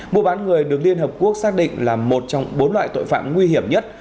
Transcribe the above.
mùa bán người được liên hợp quốc xác định là một trong bốn loại tội phạm nguy hiểm nhất